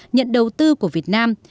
nhận đầu tư của việt nam